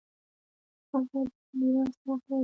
ښځه په میراث کي حق لري.